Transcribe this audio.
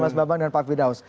mas baban dan pak fidaus